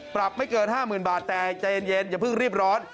ปรับไม่เกิน๕๐๐๐บาทแต่ใจเย็นอย่าเพิ่งรีบร้อน